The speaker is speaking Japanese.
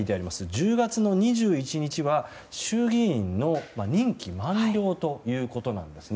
１０月の２１日は衆議院の任期満了ということです。